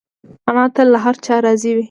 انا تل له هر چا راضي وي